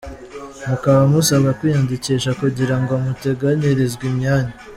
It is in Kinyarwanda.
Mukaba musabwa kwiyandikisha kugirango muteganyilizwe imyanya.